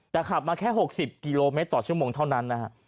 แต่ขับมาแค่๖๐กิโลเมตรต่อชั่วโมงเท่านั้นนะฮะ